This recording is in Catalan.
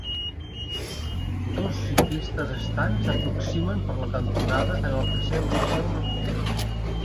Dos ciclistes estan s'aproximen per la cantonada en el que sembla ser una cursa.